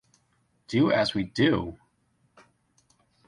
Do as we do?